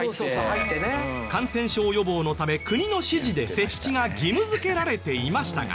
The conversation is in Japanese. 感染症予防のため国の指示で設置が義務付けられていましたが。